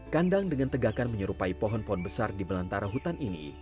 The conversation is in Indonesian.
kandang dengan tegakan menyerupai pohon pohon besar di belantara hutan ini